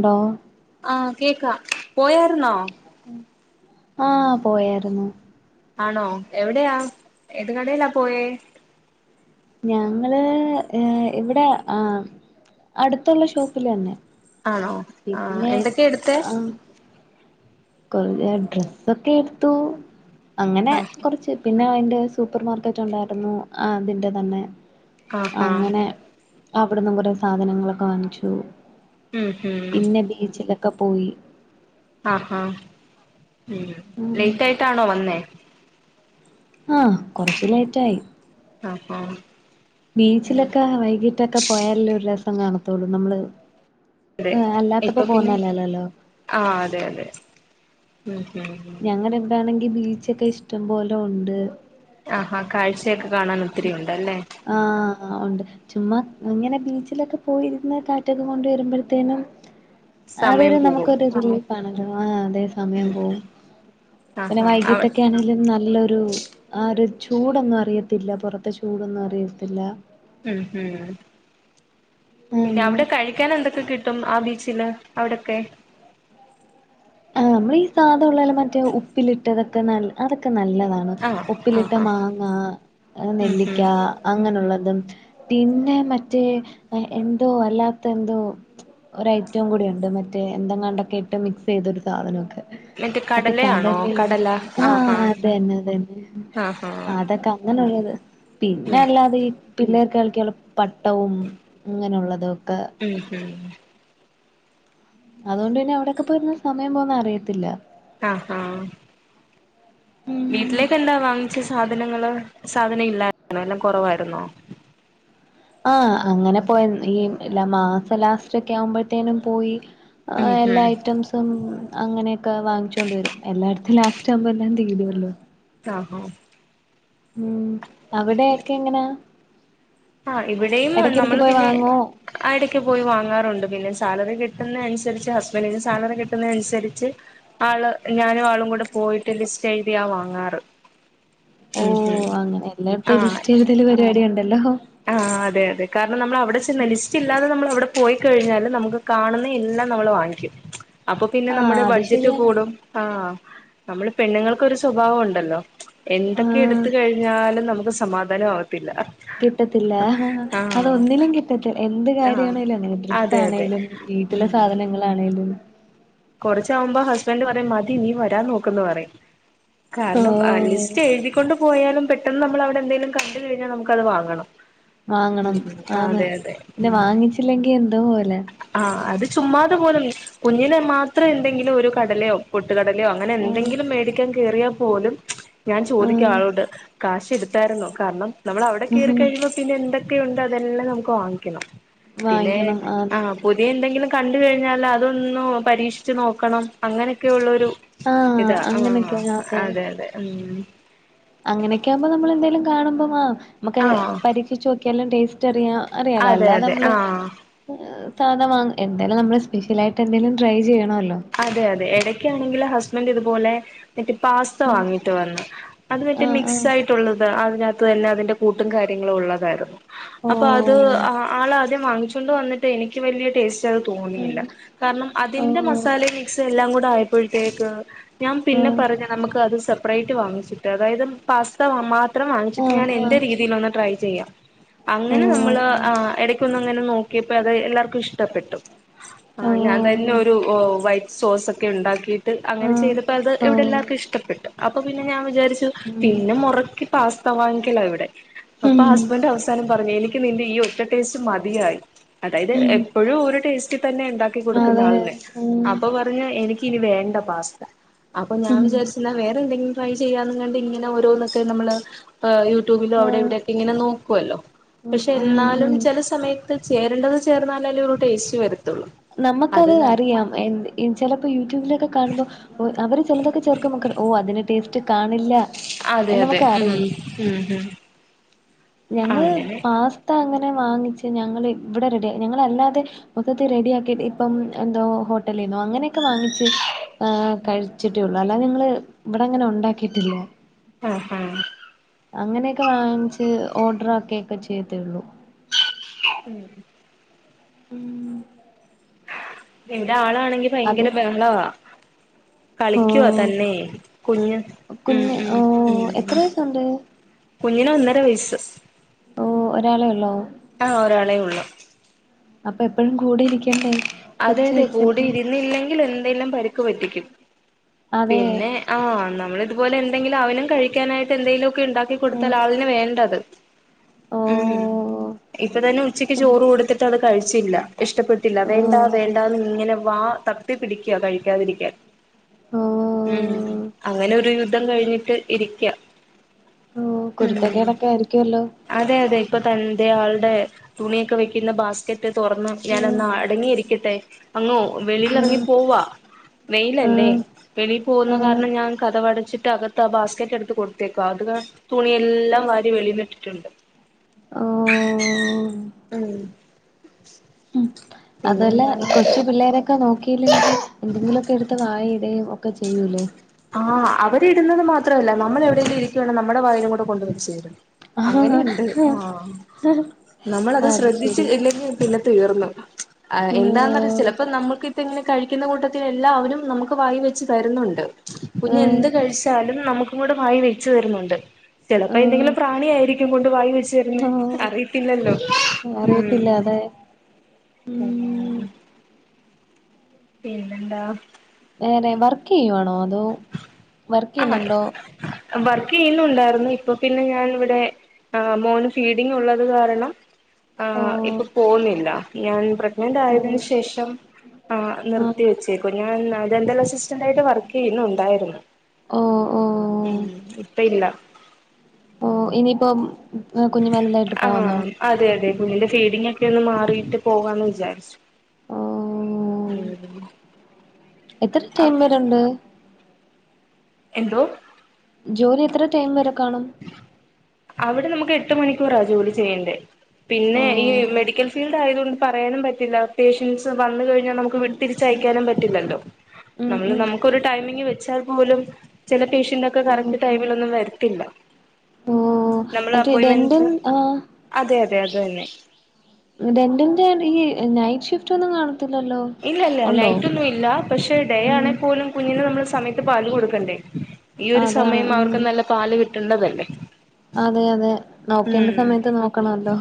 ണ്ടോ ആഹ് കേക്ക പോയാരുന്നോ ആഹ് പോയായിരുന്നു ആണോ എവിടെയാ ഏത് കടയിലാ പോയേ ഞങ്ങള് ഇവിടെ ആ അടുത്തുള്ള ഷോപ്പില് തന്നെ ആണോ ആ പിന്നെ എന്തൊക്കെയ എടുത്ത കുറേ ഡ്രസ്സൊക്കെടുത്തു അങ്ങനെ ആഹ് കുറച്ച് പിന്നെ സൂപ്പർ മാർക്കറ്റ് ഉണ്ടായിരുന്നു ആ അതിന്റെ തന്നെ അഹ് ആഹാ അവിടന്നും കുറെേ സാധനങ്ങളൊക്കെ വാങ്ങിച്ചു ഉം ഉം പിന്നെ ബീച്ചിലോ ഒക്കെപോയി ആഹ് ആഹാ ഉം ഉം ലേറ്റ് ആയിട്ടാണോ വന്നേ ആഹാ കൊറച്ച് ലേറ്റ് ആയി ആഹാ ബീച്ചിലൊക്കെ വൈകീട്ടൊക്കെ പോയല്ലോ ഒരു രസ രസം കാണത്തുള്ളൂ നമ്മള് അതെ അല്ലാത്തപ്പോ ഇപ്പൊ പിന്നെ പോന്നല്ലല്ലോ ആ അതെ അതെ. മം മം മം ഈ ബീച്ചൊക്കെ ഇഷ്ടം പോലെ ഉണ്ട് ആഹാ കാഴ്ചയൊക്കെ കാണാൻ ഒത്തിരിഉണ്ടല്ലേ ആഹ് ഉണ്ട് ചുമ്മാ ഇങ്ങനെ ബീച്ചിലൊക്കെ പോയിരുന്ന കാറ്റ് ഒക്കെ കൊണ്ട് വരുമ്പോഴത്തേനും സമയം അതൊരു പോകും നമുക്കൊരു റിലീഫാണ്. ആ അതേ സമയം ഉം പോവും പിന്നെ ആഹാ അവ വൈകിട്ടൊക്കെ ആണെലും നല്ലൊരു ആ ഒരു ചൂടൊന്നും അറിയത്തില്ല പുറത്തെ ചൂടൊന്നും അറിയത്തില്ല. ഉം ഉം പിന്നെ അവിടെ അങ്ങനെ കഴിക്കാൻ എന്തൊക്കെ കിട്ടും ആ ബീച്ച് ചില അവിടൊക്കെ ആഹ നമ്മള ഈ സാധ ഉള്ളതല്ല മറ്റേ ഉപ്പിലിട്ടതൊക്കെ നല്ല അതൊക്കെ നല്ലതാ ആഹ് ഉപ്പിലിട്ട ആഹാ മാങ്ങ ഉം ഉം നെല്ലിക്ക അങ്ങനുള്ളതും പിന്നെ മറ്റേ എന്തോ അല്ലാത്ത എന്തോ ഒരു ഐറ്റം കൂടി ഉണ്ട് മറ്റേ എന്തെങ്ങാണ്ടൊക്കെ ഇട്ട് മിക്സ് ചെയ്തൊരു സാധനമൊക്കെ മറ്റേ കടലയാണോ കടലിൽ കടല ആഹ ആഹാ അതന്നെ അതന്നെ ആഹാ അതൊക്കെ അങ്ങനുള്ളത് പിന്നെ ഉം അല്ലാതെ ഈ പിള്ളേർ കളിക്കാനുള്ള പട്ടവും അങ്ങനെയുള്ളതൊക്കെ ഉം ഹും അതുകൊണ്ട് പിന്നെ അവിടെക്കെ പോയിരുന്നാ സമയം പോന്ന അറിയത്തില്ല ആ ഹാ ഉം വീട്ടിലേക്കണ്ടാ വാങ്ങിച്ചത് സാധനങ്ങള് സാധന ഇല്ലായിരുന്നോ എല്ലാം കുറവായിരുന്നോ ആ അങ്ങനെ പോയ ഈ ല്ല മാസ ലാസ്റ്റ് ഒക്കെ ആവുമ്പോഴത്തേനും പോയി ആ ഉം എല്ലാ ഉം ഐറ്റംസും അങ്ങനെയൊക്കെ വാങ്ങിച്ചൊണ്ട് വരും എല്ലായിടത്തും ലാസ്റ്റ് ആവുമ്പോ എല്ലാം തീരുവല്ലോ ആഹോ ഉം അവിടെ ഒക്കെ എങ്ങനാ ആഹ് ഇവിടെയും ഇടക്കിടക്ക് നമ്മള് പോയി പിന്നെ വാങ്ങോ ആ ഇടക്ക് പോയി വാങ്ങാറുണ്ട് പിന്നെ സാലറി കിട്ടുന്ന അനുസരിച്ച് ഹസ്ബൻ്റിന് സാലറി കിട്ടുന്ന അനുസരിച്ച് ആള് ഞാനും ആളും കൂടെ പോയിട്ട് ലിസ്റ്റ് ചെയ്തിയാ വാങ്ങാറ് ഓ ഉം ഉം അങ്ങനെ എല്ലോട്ത്തും ഈ ലിസ്റ്റെഴുതല് പരിപാടി ഉണ്ടല്ലോ ആ അതെ അതെ കാരണം നമ്മൾ അവിടെ ചെന്ന് ലിസ്റ്റില്ലാതെ നമ്മളവിടെ പോയി കഴിഞ്ഞാല് നമുക്ക് കാണുന്ന എല്ലാം നമ്മള് വാങ്ങിക്കും അപ്പൊ പിന്നെ ആഹ് നമ്മുടെ അത് ബഡ്ജറ്റ് ശരിയാണ് കൂടും ആ നമ്മള് പെണ്ണുങ്ങൾക്കൊരു സ്വഭാവം ഉണ്ടല്ലോ എന്തൊക്കെ ആഹ് എടുത്ത് കഴിഞ്ഞാലും നമുക്ക് സ് സമാധാനം ആവ ത്തില്ല ത്തില്ല അതൊന്നിലും കിട്ടത്തില്ല എന്ത് ആഹ് കാര്യാണേലും അങ്ങനെ ഡ്രസ്സ് അതെ അതെ ആണേലും വീട്ടിലെ സാധനങ്ങളാണേലും കൊറച്ചാകുമ്പോ ഹസ്ബൻ് പറയും മതി നീ വരാൻ നോക്കന്ന് പറയും കാരണം ആ ഓഹ് ലിസ്റ്റ് എഴുതിക്കൊണ്ട് പോയാലും പെട്ട് പെട്ടന്ന് നമ്മളവിടെ എന്തേലും കണ്ടു കഴിഞ്ഞാ നമുക്കത് വാങ്ങണം വാങ്ങണം ഉം ആന്ന് അതെ അതെ ഉം പിന്നെ വാങ്ങിച്ചില്ലെങ്കി എന്തോ പോലെ ആഹ് അത് ചുമ്മാത് പോലും കുഞ്ഞിനെ മാത്രം എന്തെങ്കിലും ഒരു കടലയോ പൊ ട്ട് കടലയോ അങ്ങനെ ആഹ് എന്തെങ്കിലും മേടിക്കാൻ കിട്ടും കേറിയാൽ പോലും ഞാൻ ചോദിക്കാ ആഹ് ആളോട് കാശ് ഇടുത്തായിരുന്നു കാരണം നമ്മൾ അവിടെ ആഹ് കയറി കഴിയുബൊ പിന്നെ എന്താ കെയുണ്ട് അതെല്ലാം നമുക്ക് വാങ്ങിക്കണം പിന്നെ വാങ്ങിക്കണം ആന്ന് ആഹ് പുതിയ എന്തെങ്കിലും കണ്ട് കഴിഞ്ഞാല് അതൊന്ന് പരീക്ഷിച്ച് നോക്കണം അങ്ങനെയൊക്കെ ഉള്ളരു ആഹ് ഇതാ ആഹ് അങ്ങനെയൊക്കെ അതെ അതെ ഉം അങ്ങനെയൊക്കെ ആകുമ്പോ നമ്മൾ എന്തേലും കാണുമ്പോ വാ നമുക്ക് ആഹ് പരീക്ഷിച്ച് നോക്കിയാലും ടേസ്റ്റ് റിയ അറിയാലോ അതെ അല്ലാതെ അതെ നമ്മള് ആഹ് ഏ സാധനം വങ്ങ എന്തായാലും നമ്മള് സ്പെഷ്യലായിട്ട് എന്തേലും ട്രൈ ചെയ്യണോ അതെ അതെ ഇടയ്ക്കാണെങ്കിൽ ഹസ്ബൻഡ് ഇതുപോലെ മറ്റേ പാസ്ത വാങ്ങിട്ട് വന്ന് അത് മറ്റേ ആഹ് മിക്സ് ആഹ് ആയിട്ടുള്ളത് അതിനകത്ത് തന്നെ അതിന്റെ കൂട്ടും കാര്യങ്ങളും ഉള്ളതായിരുന്നു അപ്പൊ അത് ഓഹ് ആളാദ്യം വാങ്ങിച്ചു കൊണ്ട് വന്നിട്ട് എനിക്ക് വലിയ ടേസ്റ്റ് ത് ഉം തോന്നീല കാരണം അതിന്റെ ഓഹ് മസ് മിക്സ് എല്ലാം കൂടെ ആയപ്പോഴത്തേക്ക് ഞാൻ പിന്നെ പറഞ്ഞ് ആഹ് നമുക്ക് അത് സപ്പറേറ്റ് വാങ്ങിച്ചിട്ട് അതായത് പാസ്ത വാ മാ ത്രം വാങ്ങിച്ചട്ട് ഞാൻ ആഹ് എന്റെ ആഹ് രീതിൽ ഒന്ന് ട്രൈയ് ചെയ്യാം അങ്ങനെ നമ്മള് ഓഹ് ആ ഇടയ്ക്കൊന്ന് അങ്ങനെ നോക്കിയപ്പോ അത് എല്ലാവർക്കും ഇഷ്ടപ്പെട്ടു ആ ഞാൻ തന്നെ ഓഹ് ഒരു ഓ വൈറ്റ് സോസ് ഒക്കെ ഉണ്ടാക്കി ട്ട് അങ്ങനെ ആഹ് ചെയ്തപ്പോൾ അത് ഇവിടെ ഓഹ് എല്ലാവർക്കും ഇഷ്ടപ്പെട്ടു അപ്പ പിന്നെ ഞാൻ വിചാരി ച്ചു ഉം പിന്നെ മുറക് പാസ് ഇപ്പ വാങ്ങിക്കലാ ഇവിടെ ഉം അപ്പൊ ഹസ്ബൻഡ് അവസാനം പറഞ്ഞ് എനി ക് നിന്റെ ഈ ഒറ്റ ടേസ്റ്റ് മതിയായി. അതായത് ഉം എപ്പോഴും ഓര് ടേസ്റ്റ്. തന്നെ ഉണ്ടാക്കി കൊടുക്കുന്ന അതെ ആളിനെ ഉം അപ്പൊ പറഞ്ഞു എനിക്ക് ക്കിനി വേണ്ട പാസ്ത അപ്പൊ ഞാ ഉം വിചാരിച്ചുന്ന വേറെ എന്തെൻ ട്രൈ ചെയ്യാണ്ട് ഇങ്ങനെ ഓരോന്നൊക്കെ നമ്മള് യൂട്യൂബിലോ അവിടെ ആഹ് ഇവിടൊക്കെ ഇങ്ങനെ നോക്കുഅല്ലോ ഉം പക്ഷെ ഉം എന്നാലും ഉം ചില സമയത് ത് ചേരേണ്ടത് ചേർന്നാൽ ല്ലേ ഒരു ടേസ് വരു നമുക്കത് അറിയാം എന്ത് ഇ ചിലപ്പോ യു ബിലലൊക്കെ കാണുമ്പോ അവ ചിലതൊക്കെ ചേർക്കുമ്മം നക്കറിയ ഓ അതിന് ടേസ്റ്റ് കാണില്ല അതെ എന്ന് അതെ നമുക്ക് ഉം അറിയാം ഉം ഉം ഞങ്ങള് അങ്ങനെ പാസ്ത അ ങ്ങനെ വാങ്ങിച്ച് ഞങ്ങൾ ഇവിടെറെഡി ഞങ്ങല്ലാതെ മൊത്തത്തി റെഡി ആക്കിട്ട് ഇപ്പം എന്തോ ഹോട്ടലന്നോ അങ്ങനെയൊക്കെ വാങ്ങിച്ച് കഴിച്ചിട്ടേള്ളു അല്ലാതെ ഞങ്ങള് ഇവിടെ അങ്ങനെ ഉണ്ടാക്കിട്ടില്ല. ആ ഹാ അങ്ങനെയൊക്കെ വാങ്ങിച്ച് ഓർഡർക്കിയൊക്കെ ചെയ്തെയുള്ളൂ ഉം എന്റെ ആളാണെ ങ്കി അത് ഭയങ്കര ബഹളവാ ഓ കളിക്കുവാ തന്നെ കുഞ്ഞ് ഉം കുഞ്ഞ് ഓ ഉം എത്ര ഉം വയസുണ്ട് കുഞ്ഞിന് ഒന്നര വയസ്സ്. ഓ ഒരാളെ ഉള്ളോ ആ ഒരാളേ ഉള്ളൂ. അപ്പ എപ്പോഴും കൂടെ ഇരിക്കണ്ടേ? അതെ കൊച്ച് അതെ കൂടി കൊച്ചല്ലേ ഇരുന്നില്ലെങ്കിൽ എ ന്തേലും പരിക്കുപറ്റിക്കും. അതെ പിന്നെ ആ നമ്മളെട് പോലെ എന്തെിലും അവനും കഴിക്കാനായിട്ട് എന്തേലും ഉണ്ടാക്കി കൊടുത്താൽ ആഹ് ആളിന് വേണ്ടത് ഓ ഉം ഇപ്പ തന്നെ ഉച്ചക്ക് ഉം ചോറ് കൊടുത്തിട്ട് അത് കഴിച്ചില്ല ഇഷ്ടപ്പെട്ടില്ല ഓ വേണ്ടാ വേണ്ടാന്ന് ഇങ്ങനെ വാ.. തപ്പി പിടിക്കുക കഴിക്കാതിരിക്കാൻ ഓ ഉം അങ്ങനെ ഒരു യുദ്ധം കഴിഞ്ഞിട്ട ഇരിക്ക ഓ ഉം കുരുത്തക്കേടൊക്കെ ആയിരിക്കുവല്ലോ അതെ അതെ ഇപ്പൊ തൻ ഇ ആളുടെ തുണിയൊക്കെ വെക്കുന്ന ബാസ്ക്കറ്റ് ആഹ് തൊറന്നോക്ക്യാലൊന്നാ ഇരിക്കട്ടെ അങ്ങോ വെളിയിലിറങ്ങി ആഹ് പോവാ വെയിലല്ലേ വെളിയിൽ പോകുന്ന ആഹ് കാരണം ഞാൻ കതക് അടച്ചിട്ട് കത്ത് ആ ബാസ്ക്കറ്റ് എടുത്ത് കൊടുത്തേക്ക അത് തുണി എല്ലാം വാരി വെളിയിലാട്ടിട്ടുണ്ട് ആഹ് ഓ ഉം ഉ ഉം അതല്ല കൊച്ചു പിള്ളേരൊക്കെ നോക്കിയില്ലെങ്കിൽ എന്തിലൊക്കെ എടുത്ത് വായല്ടയും ഒക്കെ ചെയ്യൂലേ ആഹ് അവരിടുന്നത് മാത്രമല്ല നമ്മൾ എവിടെയെങ്കിലും ഇരിക്കുകയാണങ്കിൽ നമ്മുടെ വായേലും കൂടെ കൊണ്ടുവെച്ചുരും അങ്ങനെയുണ്ട് ആ ആഹ് നമ്മള് അത് ശ്രദ്ധിച്ചു ഇല്ലെങ്കിൽ പിന്നെ തീർന്ന് ആ എന്താന്ന് പറാ ആഹ് ചിലപ്പോ നമ്മുക്ക് ഇതങ്ങനെ കഴിക്കുന്ന കൂട്ടത്തിൽ എല്ലാവരും നമുക്ക് വായി വെച്ച് തരുന്നുണ്ട് കുഞ് ആഹ് എന്ത് കഴിച്ചാലും നമുക്ക് കൂടെമായി വെച്ചു തരുന്നുണ്ട് ചെലപ്പോ ആഹ് എന്തെങ്കിലും പ്രാണി ആയിരിക്കും കൊണ്ട് വായി ച്ച് തരുന്ന. ആഹ് അറിയത്തില്ലല്ലോ ഉം അറിയത്തില്ല അതെ ഉം പിന്നെന്താ വേറെ വർക്ക് ചെയ്യുവാണോ ന്തോ വർക്ക് ആഹ് ചെയ്യുന്നുണ്ടോ വർക്ക് ചെയ്യുന്നുണ്ടായിരുന്നു ഇപ്പൊ പിന്നെ ഞാൻ ഇവിടെ് മോന് ഫീഡിങ് ഉള്ളത് കാരണം ആ ഓഹ് ഇപ്പൊ പോകുന്നില്ല ഞാൻ പ്ര ഓഹ് ണ്ടായതിനു ശേഷം ആ നിർത്തി ആഹ് വെച്ചേ കുവ ഡെന്റൽ അസിസ്റ്റന്റ് ആയിട്ട് വർക്ക് ചെയ്യുന്നുണ്ട് ണ്ടായിരുന്നു ഓഹ് ഉം ഇപ്പ ഇല്ല ഓ ഇനിയിപ്പം [unintelligible] കുഞ്ഞ് വല്തായിട്ട് പോവാന്നോ ആഹ് അതെ അതെ കുഞ്ഞിന്റെ ഫീഡിംഗക്കെ ഒന്ന് മാറിയിട്ട് പോകാന്ന് വിചാരിച്ചു ഓഹ് ഉം എത്ര ടൈം അഹ് വരെയുണ്ട് എന്തോ ജോലി എത്ര ടൈം വരെ കാണും ട്ടു മണിക്കൂറാ ജോലി ചെയ്യണ്ടേ പിന്നെ ഈ ഓഹ് മെഡിക്കൽ ഫീൽഡായതുകൊ പറയാനും പറ്റില്ല പേഷ്യൻസ് വന്ന് കഴി ഞ്ഞ നമ്മുക്ക് വി തിരിച്ചയക്കാനും പറ്റില്ലല്ലോ ഉം നമ്മള് ഉം നമുക്ക് ഒരു ടൈമിംഗ് വെ ച്ചാൽ പോലും ചില പേഷ്യന്റൊക്കെ കറക്റ്റ് ടൈമിലൊന്നും വരി ഓ മറ്റേ അപ്പോയിൻമെന്റ് ഡെന്റൽ ആ അതെ അതെ അതന്നെ ഡെന്റലിന്റെയാണെങ്കിൽ നൈറ്റ് ഷിഫ്റ്റൊന്നും കാണ ഇല്ല ഇല്ല നൈറ്റൊന്നും ഇല്ല പക്ഷെ ഡേ ഉം ആണെ പോലും കുഞ്ഞിനെ നമ്മക്ക് സ സമയത്ത് പാല് കൊടുക്കണ്ടേ ഈയൊരു അതാണ് സമയം അവർക്ക് ഉം നല്ല പാല് കി ട്ടണ്ടതല്ലേ അതെ അതെ നോക്കേണ്ട സമയത്ത് നോക്കണല്ലോ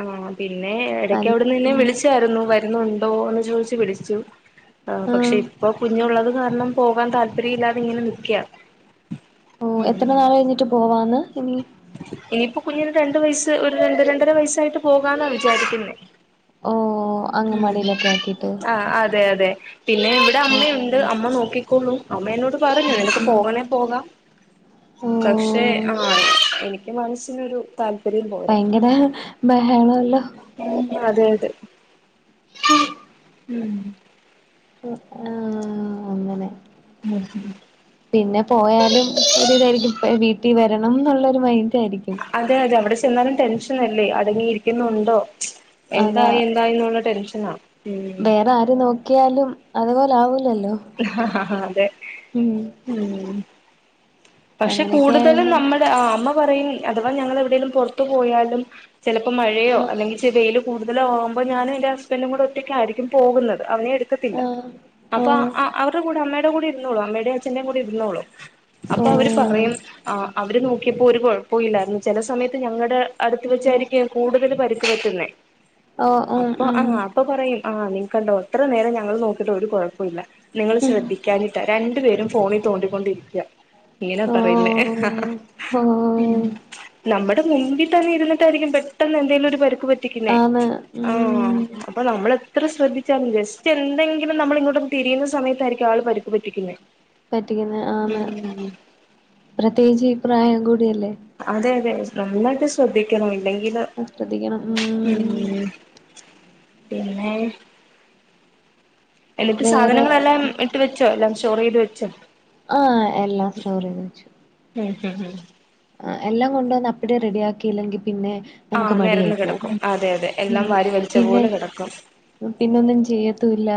ആ പിന്നെ എടക്ക് നല്ല അവ്ട്ന്ന് ന്നെ വിളിച്ചാരുന്നു വരുന്നു ണ്ടോന്ന് ചോയ്ച്ചു വിളിച്ചു ആ പക്ഷെ ആഹ് ഇപ്പൊ കുഞ്ഞുള്ളത് കാരണം പോവാൻ താല്പര്യം ഇല്ലാതെ ഇങ്ങനെ നിക്ക്യ ഓ എത്ര നാള് കഴിഞ്ഞിട്ട് പോവാന്ന് ഇനി ഇനിയിപ്പോ കുഞ്ഞിന് രണ്ടു വയസ്സ് ഒരു രണ്ട് രണ്ടര വയസ്സായിട്ട് പോകന്നാ വിചാരിക്കുന്നേ ഓ ഉം അങ്ങമാടിലൊക്കെ ആക്കിട്ട് ആഹ് അതെ അതെ പിന്നെ ഇവിടെ ഓഹ് അമ്മയുണ്ട് അമ്മ നോക്കിക്കോളും അമ്മ [unintelligible] പറഞ്ഞു ഉം എനിക്ക് ഉം പോകണേ പോകാം പക്ഷെ ഓഹ് ആ എനിക്ക് ക്ക് മനസ്സിനൊരു താല്പര്യം പോരാ ഭയങ്കര ബഹള ല്ലോ അ അതെ അതെ ഉമ് ഉം ആഹ അങ്ങനെ ഉം പിന്നെ പോയാലും ഒരു [inaudible] ട്ടി വരണം എന്നുള്ളൊരു മൈൻഡ് ആയിരിക്കും അതെ അതെ അവിടെ ചെന്നാലും ടെൻഷ നല്ലേ അടങ്ങിയിരിക്കുന്നുണ്ടോ അതാ എന്തായി എന്തായിന്നുള്ള ടെൻഷൻ വേറെ ആര് നോക്കിയാലും അതുപോ- ലാവു ആഹ് ഹ അതെ ഉം ഉം പക്ഷെ അങ്ങനെയൊക്കെ കൂടുതലും ആയോണ്ടാണ് നമ്മുടെ അമ്മ പറയും അഥവാ ഞങ്ങള എവിടെലും പുറത്തു പോയാലും ചിലപ്പോ മഴയോ ആഹ് അല്ലെങ്കിൽ ചെ വെയിലും കൂടുതലാകുമ്പോൾ ഞാനും എന്റെ ഹസ്ബൻഡും കൂടെ ഒറ്റക്കായിരിക്കും പോകുന്നത് അവനെ എടുക്കത്തില്ല ആഹ് അപ്പൊ ആഹ് അവരുടെ അമ്മയുടെ കൂടെ ഇുന്നോളൂ അമ്മയുടെ അച്ഛന്റെ കൂടെ ഇരുന്നോളൂ അപ്പൊ ഓ അവര് പറയും ആ അവര് നോ യപ്പോ ഒരു കുഴപ്പമില്ലായിരുന്നു. ചില സമയത്ത് ഞങ്ങളുടെ അടുത്ത് ഉം വെച്ചായിരിക്കും കൂടുതൽ പരി പറ്റന്നെ ഓ ഉം അപ്പൊ ഉം ആഹ അപ്പൊ പറയും ആഹ് നീ കണ്ടോ ഇത്ര നേരം ഞങ്ങൾ നോക്കിട്ട് ഒരു കൊഴപ്പല്ല നിങ്ങൾ ശ്രദ്ധിക്കാഞ്ഞിട്ടാ രണ്ട് പേരും ഫോണിൽ തോണ്ടികൊണ്ടിരിക്ക ഇങ്ങനാ ഓ പറയുന്നേ ഓ നമ്മ [inaudible] [inaudible] പെട്ടന്ന് എന്തെങ്കലും ഒരു പരി പറ്റിക്കുന്നെ ആന്ന് ആ ഉം അപ്പൊ നമ്മള എത്ര ശ്രദ്ധിച്ചാലും ജസ്റ്റ് എന്തെങ്കിലും നമ്മള് ഇങ്ങോട്ടൊന്ന് തിരിയുന്ന സ സമയത്തായിരിക്കും ആൾ പരിക്ക് പറ്റിക്കുന്നെ പറ്റിക്കുന്ന ആന്ന് പ്രത്യേകിച്ച് ഈ പ്രായം കൂടിയല്ലേ അതെ അതെ നന്നായിട്ട് ശ്രദ്ധിക്കണം ഇല്ലെങ്കി അ ശ്രദ്ധിക്കണം പിന്നേ എന്നിട്ട് വേറെ സാധനങ്ങളെല്ലാം ഇട്ട് വെച്ചോ എല്ലാം റ്റോറ് ചെയ്ത് വെച്ചോ ആഹ് എല്ലാം സ്റ്റോറ് ചെയ്തു വെച്ചു ഉം ഉം ഉം എല്ലാം കൊണ്ട് വന്ന് അപ്പഴേ റെഡിയാക്കിയില്ലെങ്കിൽ പിന്നെ നമുക്ക് ആഹ് നെരന്ന് മടിയായി കിടക്കും പോകും അതെ അതെ എല്ലാം വാരി വലിച്ച പിന്നെ പോലെ കിടക്കും പിന്നൊന്നും ചെയ്യത്തുല്ല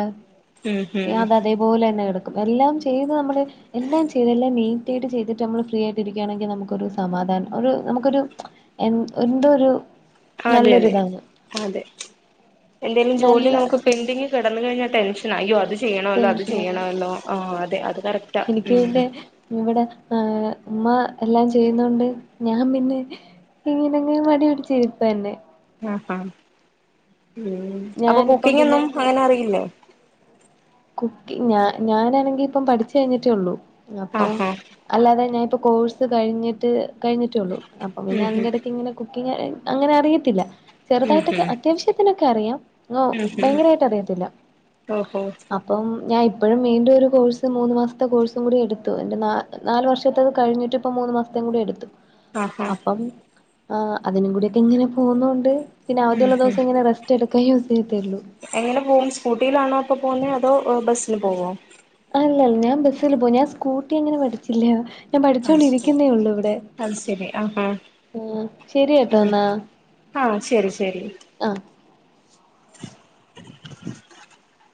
ഉം ഉം അത് അതേപോലെ തന്നെ കിടക്കും എല്ലാം ചെയ്ത് നമ്മള് എല്ലാം ചെയ്ത് എല്ലാം നീറ്റാ ട്ട് നമ്മള് ഫ്രീ ആയിട്ട് ഇരിക്കുവാണെങ്കിൽ നമ്മക്ക് ഒരു സമാധാനം ഒരു നമുക്കൊരു എന്ത എന്തോ ഒരു അതെ അതെ നല്ലൊരിതാണ് അതെ എന്തേലും ജോലി നല്ല നമുക്ക് പെൻഡിങ്ങ് കിടന്ന് കഴിഞ്ഞാൽ നമ്മക്ക് ടെൻഷനാ ആയ്യോ അത് ചെയ്യണല്ലോ അത് ടെൻഷനാണ് ചെയ്യണല്ലോ ആഹ് അതെ അത് കറക്റ്റാ എനിക്ക് ഉം പിന്നെ ഇവിടെ ഏഹ് ഉമ്മ എല്ലാം ചെയ്യുന്നോണ്ട് ഞാൻ പിന്നെ ഇങ്ങനെങ്ങ് മടി പിടിച്ച് ഇരുപ്പന്നെ ആഹ് ആഹ് ഉം അപ്പൊ ഞാനിപ്പം കുക്കിങ് ഒന്നും അങ്ങനെ അറിയില്ലേ കുക്കിങ്ങ് ഞാ ഞാനാണെങ്കി ഇപ്പം പഠിച്ചു കഴിഞ്ഞിട്ടേ ഉള്ളൂ അപ്പം ആഹാ അല്ലാതെ ഞാൻ ഇപ് ഇപ്പൊ കോഴ്സ് കഴിഞ്ഞിട്ട് കഴിഞ്ഞിട്ട് ഒള്ളൂ അപ്പൊ പിന്നെ ഉം ഉം അതിൻ്റെടക്ക് ഇങ്ങെനെ [unintelligible] അങ്ങനെ അറിയത്തില്ല ഉം ചെറുതായിട്ടൊക്കെ ഉം അത്യാവശ്യത്തിന് ക്കറിയാം ആഹ് ഉം ഉം ഭയങ്കരായിട്ട് അറിയത്തില്ല ഓഹോ ഞാൻ ഇപ്പോഴും വീണ്ടും ഒരു കോഴ്സ് മൂന്ന് മാസത്തെ കോഴ്സും കൂടി എടുത്തു എന്റെ നാല് വർഷത്തത് കഴിഞ്ഞിട്ട് ഇപ്പം മൂന്നു മാസത്ത കൂടി എടുത്തു ആഹാ അപ്പം ആ അതിനും കൂടിക്കെ ഇങ്ങനെ പോന്നുോണ്ട് പിന്നെ അവധി ഉം ള്ള ഉം ദിവം ഇങ്ങനെറെസ്റ്റ് എടു കയോ സ എങ്ങനെ പോകും സ്കൂട്ടിയിലാണോ അപ്പൊ പോകുന്നേ ഹോ ബസിൽ പോവോ അല്ലല്ല ഞാൻ ബസിൽ പോവും ഞാൻ സ്കൂട്ടി അങ്ങനെ പഠിച്ചില്യ ഞാൻ അത് ശരി പഠിച്ചുണ്ടിരിക്കുന്നേ ഉള്ളൂ ഇവിടെ അത് ശരി ആഹാ ആ ശരി കേട്ടോ ഉം എന്നാ ആഹ് ആഹ ും